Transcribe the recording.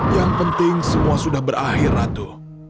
yang penting semua sudah berakhir ratu